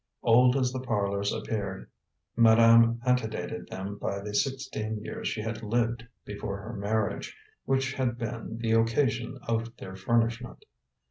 Old as the parlors appeared, madame antedated them by the sixteen years she had lived before her marriage, which had been the occasion of their furnishment.